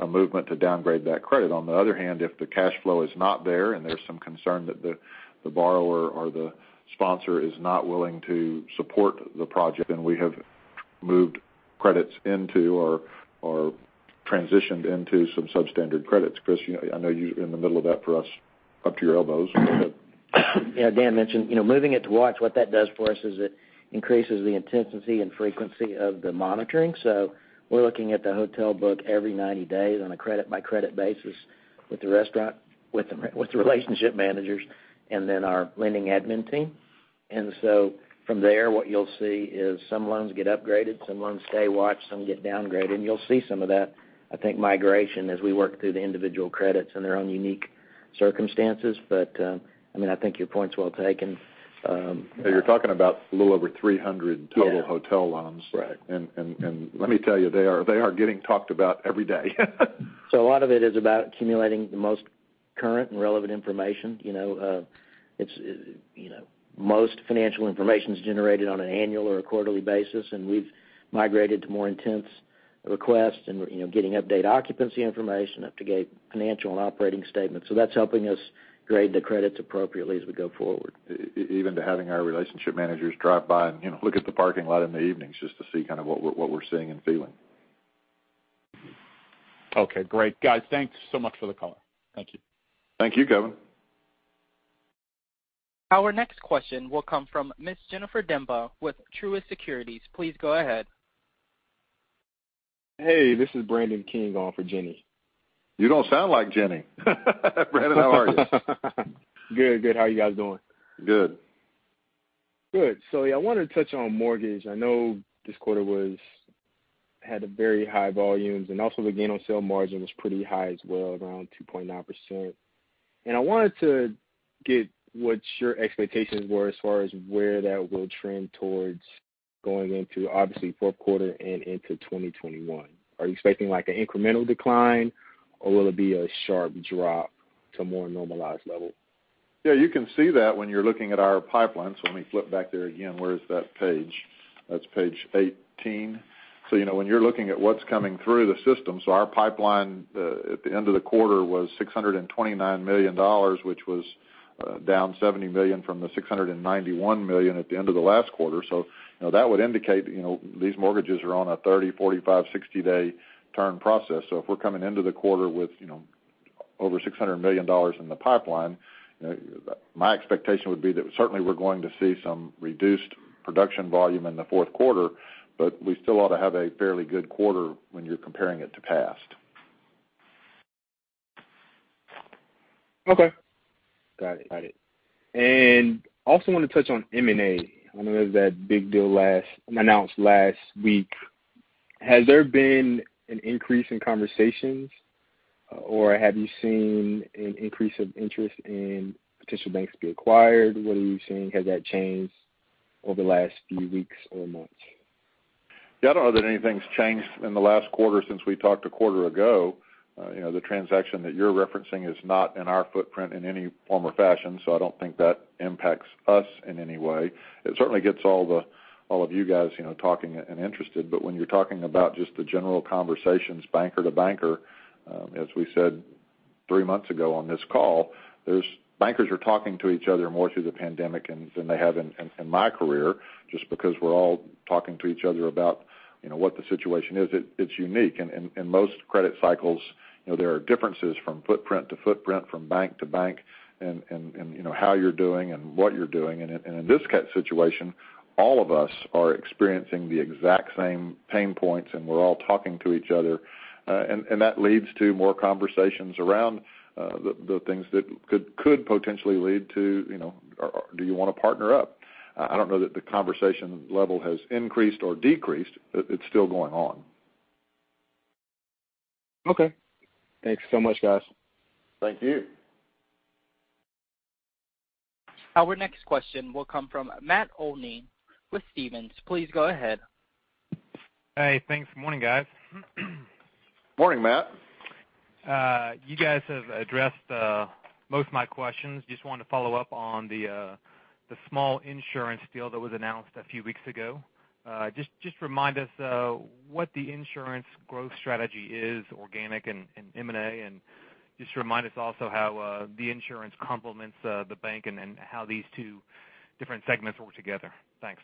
a movement to downgrade that credit. On the other hand, if the cash flow is not there and there's some concern that the borrower or the sponsor is not willing to support the project, then we have moved credits into or transitioned into some substandard credits. Chris, I know you're in the middle of that for us up to your elbows. Yeah, Dan mentioned, moving it to watch, what that does for us is it increases the intensity and frequency of the monitoring. We're looking at the hotel book every 90 days on a credit-by-credit basis with the restaurant, with the relationship managers, and then our lending admin team. From there, what you'll see is some loans get upgraded, some loans stay watched, some get downgraded. You'll see some of that, I think, migration as we work through the individual credits and their own unique circumstances. I think your point's well taken. You're talking about a little over 300 total hotel loans. Yeah. Right? Let me tell you, they are getting talked about every day. A lot of it is about accumulating the most current and relevant information. Most financial information's generated on an annual or a quarterly basis, and we've migrated to more intense requests and we're getting update occupancy information, update financial and operating statements. That's helping us grade the credits appropriately as we go forward. Even to having our relationship managers drive by and look at the parking lot in the evenings just to see kind of what we're seeing and feeling. Okay, great. Guys, thanks so much for the call. Thank you. Thank you, Kevin. Our next question will come from Ms. Jennifer Demba with Truist Securities. Please go ahead. Hey, this is Brandon King on for Jenny. You don't sound like Jenny. Brandon, how are you? Good. How are you guys doing? Good. Good. Yeah, I wanted to touch on mortgage. I know this quarter had very high volumes, also the gain on sale margin was pretty high as well, around 2.9%. I wanted to get what your expectations were as far as where that will trend towards going into, obviously, fourth quarter and into 2021? Are you expecting like an incremental decline or will it be a sharp drop to more normalized level? Yeah, you can see that when you're looking at our pipeline. Let me flip back there again. Where is that page? That's page 18. When you're looking at what's coming through the system, our pipeline at the end of the quarter was $629 million, which was down $70 million from the $691 million at the end of the last quarter. That would indicate these mortgages are on a 30, 45, 60-day turn process. If we're coming into the quarter with over $600 million in the pipeline, my expectation would be that certainly we're going to see some reduced production volume in the fourth quarter, but we still ought to have a fairly good quarter when you're comparing it to past. Okay. Got it. Also want to touch on M&A. I know there was that big deal announced last week. Has there been an increase in conversations or have you seen an increase of interest in potential banks to be acquired? What are you seeing? Has that changed over the last few weeks or months? Yeah, I don't know that anything's changed in the last quarter since we talked a quarter ago. The transaction that you're referencing is not in our footprint in any form or fashion, so I don't think that impacts us in any way. It certainly gets all of you guys talking and interested. When you're talking about just the general conversations banker to banker, as we said three months ago on this call, bankers are talking to each other more through the pandemic than they have in my career, just because we're all talking to each other about what the situation is. It's unique. In most credit cycles, there are differences from footprint to footprint, from bank to bank, in how you're doing and what you're doing. In this situation, all of us are experiencing the exact same pain points, and we're all talking to each other. That leads to more conversations around the things that could potentially lead to, do you want to partner up? I don't know that the conversation level has increased or decreased. It's still going on. Okay. Thanks so much, guys. Thank you. Our next question will come from Matt Olney with Stephens. Please go ahead. Hey, thanks. Morning, guys. Morning, Matt. You guys have addressed most of my questions. Just wanted to follow up on the small insurance deal that was announced a few weeks ago. Just remind us what the insurance growth strategy is, organic and M&A? Just remind us also how the insurance complements the bank and how these two different segments work together? Thanks.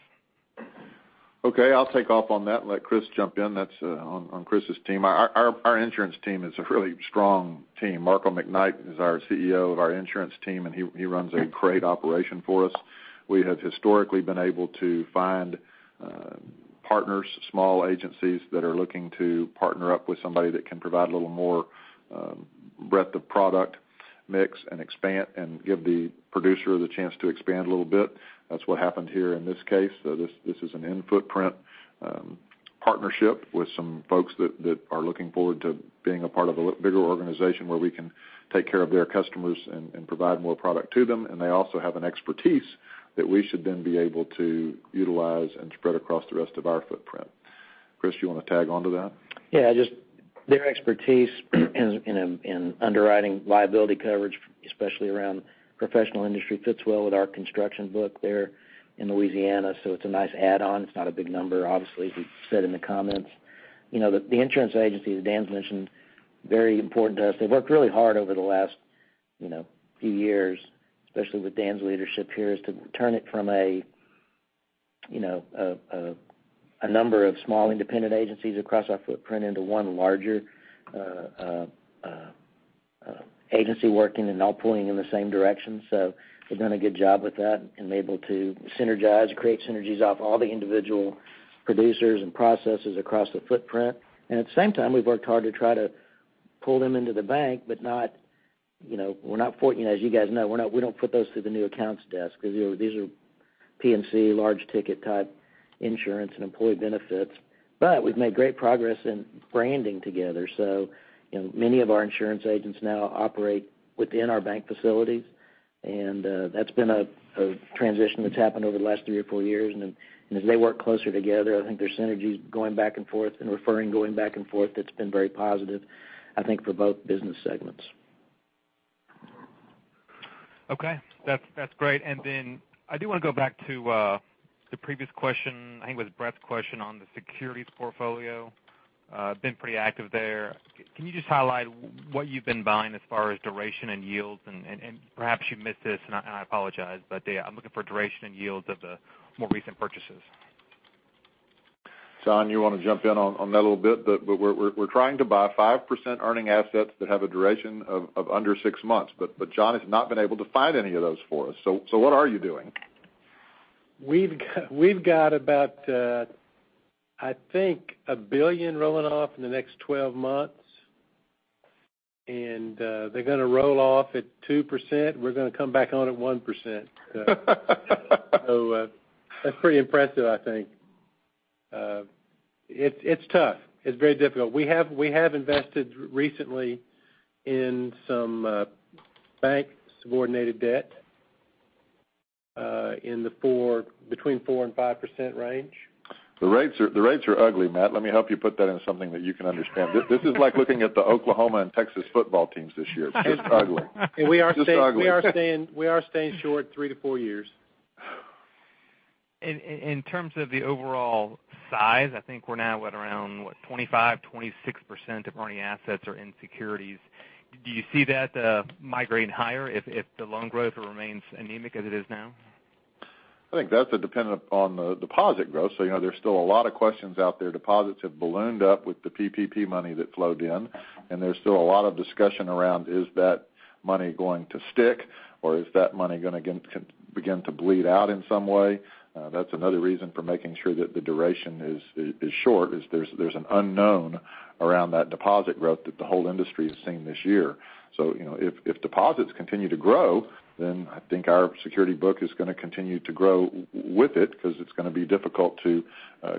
I'll take off on that and let Chris jump in. That's on Chris' team. Our insurance team is a really strong team. Markham McKnight is our CEO of our insurance team, and he runs a great operation for us. We have historically been able to find partners, small agencies that are looking to partner up with somebody that can provide a little more breadth of product mix and give the producer the chance to expand a little bit. That's what happened here in this case. This is an in-footprint partnership with some folks that are looking forward to being a part of a bigger organization where we can take care of their customers and provide more product to them. They also have an expertise that we should then be able to utilize and spread across the rest of our footprint. Chris, you want to tag onto that? Yeah, just their expertise in underwriting liability coverage, especially around professional industry, fits well with our construction book there in Louisiana. It's a nice add-on. It's not a big number, obviously, as we said in the comments. The insurance agency that Dan's mentioned, very important to us. They worked really hard over the last few years, especially with Dan's leadership here, to turn it from a number of small independent agencies across our footprint into one larger agency working and all pointing in the same direction. They've done a good job with that and able to synergize, create synergies off all the individual producers and processes across the footprint. At the same time, we've worked hard to try to pull them into the bank, but as you guys know, we don't put those through the new accounts desk because these are P&C large ticket-type insurance and employee benefits. We've made great progress in branding together. Many of our insurance agents now operate within our bank facilities, and that's been a transition that's happened over the last three or four years. As they work closer together, I think there's synergies going back and forth and referring going back and forth that's been very positive, I think, for both business segments. Okay. That's great. I do want to go back to the previous question. I think it was Brett's question on the securities portfolio. It's been pretty active there. Can you just highlight what you've been buying as far as duration and yields? Perhaps you've missed this, and I apologize. I'm looking for duration and yields of the more recent purchases. John, you want to jump in on that a little bit? We're trying to buy 5% earning assets that have a duration of under six months. John has not been able to find any of those for us. What are you doing? We've got about, I think, a billion rolling off in the next 12 months. They're going to roll off at 2%. We're going to come back on at 1%. That's pretty impressive, I think. It's tough. It's very difficult. We have invested recently in some bank-subordinated debt between 4% and 5% range. The rates are ugly, Matt. Let me help you put that into something that you can understand. This is like looking at the Oklahoma and Texas football teams this year. It's just ugly. We are staying short three to four years. In terms of the overall size, I think we're now at around what, 25%, 26% of earning assets are in securities. Do you see that migrating higher if the loan growth remains anemic as it is now? I think that's a dependent on the deposit growth. There's still a lot of questions out there. Deposits have ballooned up with the PPP money that flowed in, and there's still a lot of discussion around, is that money going to stick, or is that money going to begin to bleed out in some way? That's another reason for making sure that the duration is short, is there's an unknown around that deposit growth that the whole industry has seen this year. If deposits continue to grow, then I think our security book is going to continue to grow with it because it's going to be difficult to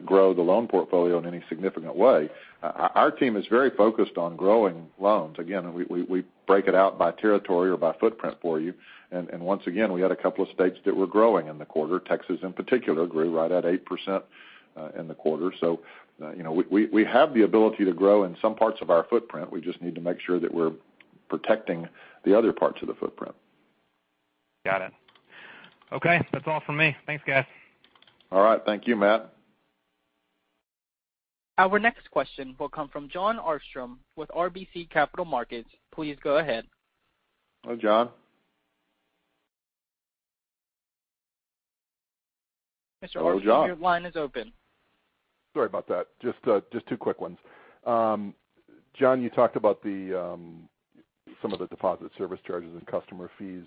grow the loan portfolio in any significant way. Our team is very focused on growing loans. We break it out by territory or by footprint for you. Once again, we had a couple of states that were growing in the quarter. Texas, in particular, grew right at 8% in the quarter. We have the ability to grow in some parts of our footprint. We just need to make sure that we're protecting the other parts of the footprint. Got it. Okay. That's all from me. Thanks, guys. All right. Thank you, Matt. Our next question will come from Jon Arfstrom with RBC Capital Markets. Please go ahead. Hello, Jon. Mr. Arfstrom, your line is open. Sorry about that. Just two quick ones. John, you talked about some of the deposit service charges and customer fees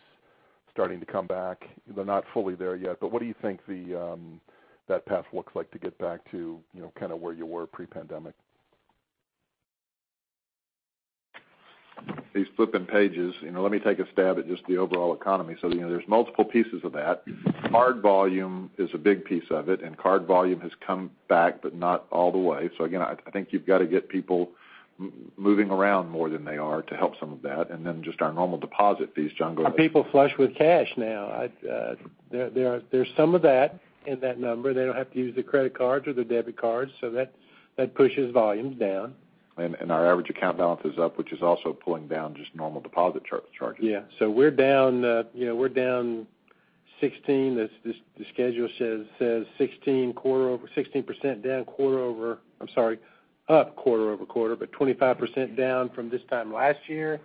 starting to come back. They're not fully there yet, what do you think that path looks like to get back to where you were pre-pandemic? These flipping pages. Let me take a stab at just the overall economy. There's multiple pieces of that. Card volume is a big piece of it, and card volume has come back, but not all the way. Again, I think you've got to get people moving around more than they are to help some of that. Then just our normal deposit fees, John, go ahead. Are people flush with cash now? There's some of that in that number. They don't have to use the credit cards or the debit cards, so that pushes volumes down. Our average account balance is up, which is also pulling down just normal deposit charges. We're down 16%. The schedule says 16% up quarter-over-quarter, 25% down from this time last year.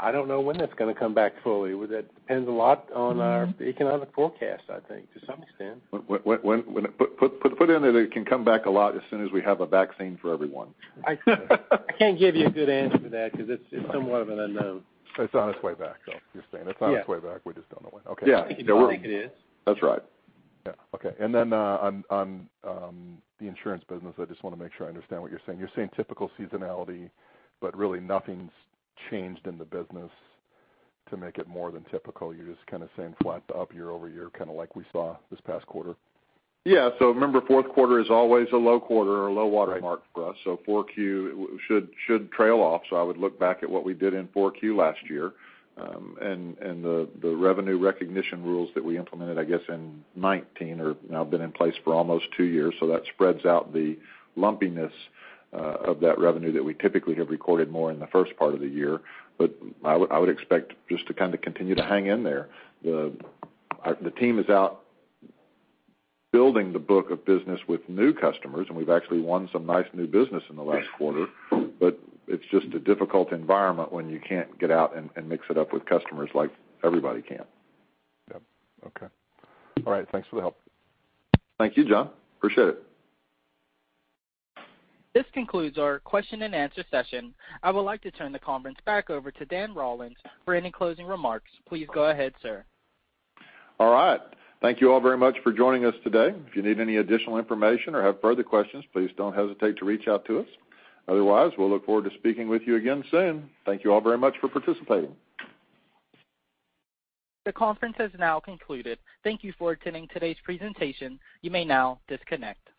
I don't know when that's going to come back fully. That depends a lot on our economic forecast, I think, to some extent. Put in there that it can come back a lot as soon as we have a vaccine for everyone. I can't give you a good answer to that because it's somewhat of an unknown. It's on its way back, though, you're saying? It's on its way back. We just don't know when. Okay. Yeah. I think it is. That's right. Yeah. Okay. On the insurance business, I just want to make sure I understand what you're saying. You're saying typical seasonality, but really nothing's changed in the business to make it more than typical. You're just kind of saying flat to up year-over-year, kind of like we saw this past quarter. Yeah. Remember, fourth quarter is always a low quarter or a low watermark for us. 4Q should trail off. I would look back at what we did in 4Q last year. The revenue recognition rules that we implemented, I guess, in 2019 have now been in place for almost two years. That spreads out the lumpiness of that revenue that we typically have recorded more in the first part of the year. I would expect just to kind of continue to hang in there. The team is out building the book of business with new customers, and we've actually won some nice new business in the last quarter, but it's just a difficult environment when you can't get out and mix it up with customers like everybody can. Yep. Okay. All right. Thanks for the help. Thank you, Jon. Appreciate it. This concludes our question and answer session. I would like to turn the conference back over to Dan Rollins for any closing remarks. Please go ahead, sir. All right. Thank you all very much for joining us today. If you need any additional information or have further questions, please don't hesitate to reach out to us. Otherwise, we'll look forward to speaking with you again soon. Thank you all very much for participating. The conference has now concluded. Thank you for attending today's presentation. You may now disconnect.